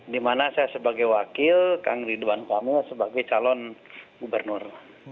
di mana saya sebagai wakil kang ridwan kamil sebagai calon gubernur